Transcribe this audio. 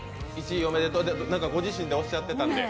１位おめでとうで、ご自身がおっしゃっていたので。